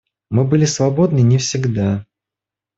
Мы были свободны не всегда.